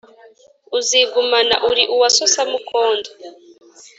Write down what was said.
uzigumana uri uwa so samukondo